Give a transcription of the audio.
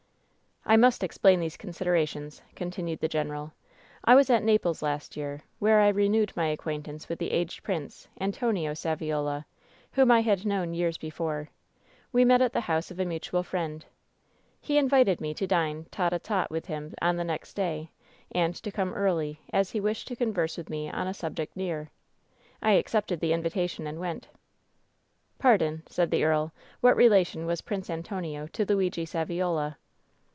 "I must explain these considerations," continued the general. "I was at Naples last year, where I renewed my acquaintance with the aged prince, Antonio Saviola, whom I had known years before. We met at the house of a mutual friend. He invited me to dine tete d tete with him on the next day, and to come early, as he wished to converse with me on a subject near. I ac cepted the invitation and went." "Pardon," said the earl ; "what relation was Prince Antonio to Luigi Saviola